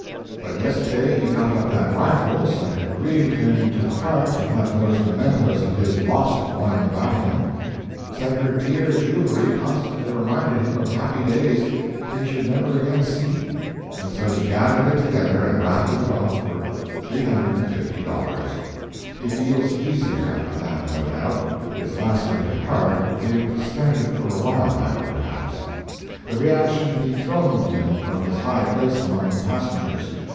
But yesterday he got up that raffle said it grieved him to the heart to have those mementoes of his lost one about him—said her dear jewelry constantly reminded him of happy days he should never again see—and so he gathered it together and raffled it off for three hundred and fifty dollars! He feels easier after that, no doubt. His lacerated heart will be able to stand it for awhile, now, perhaps. The reaction dethroned him from his high place among the passengers.